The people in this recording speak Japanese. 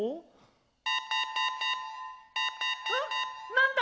何だ！？